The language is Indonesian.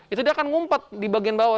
itu dia akan ngumpet di bagian bawah